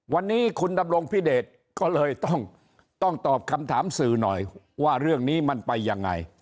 วันนี้คุณดำรงพิเดชก็เลยต้องตอบคำถามสื่อหน่อยว่าเรื่องนี้มันไปยังไง